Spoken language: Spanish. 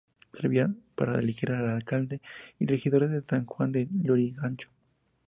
Servirán para elegir al alcalde y regidores de San Juan de Lurigancho.